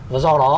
và do đó